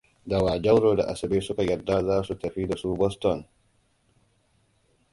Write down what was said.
Da wa Jauro da Asabe suka yarda za su tafi da su Boston?